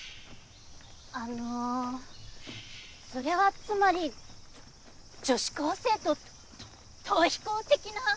あのそれはつまり女子高生とと逃避行的な。